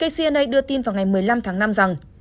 pcna đưa tin vào ngày một mươi năm tháng năm rằng